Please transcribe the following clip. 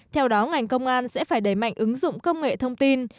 theo đó ngành công an sẽ phải đẩy mạnh ứng dụng công nghệ thông tin